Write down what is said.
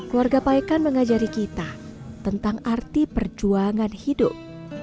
keluarga paekan mengajari kita tentang arti perjuangan hidup